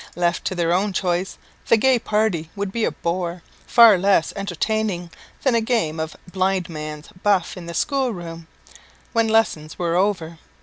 Left to their own choice, the gay party would be a bore, far less entertaining than a game of blind man's buff in the school room, when lessons were over.